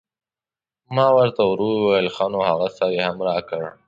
ما ور ته ورو وویل: ښه نو هغه سر یې هم راکړه.